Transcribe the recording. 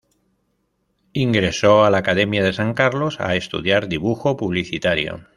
Ingresó a la Academia de San Carlos a estudiar dibujo publicitario.